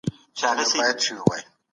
پښتو بايد د ساينس ژبه شي.